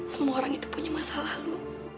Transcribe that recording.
semua orang itu punya masa lalu